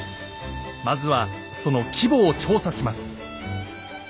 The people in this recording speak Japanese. まずはその規模を調査します。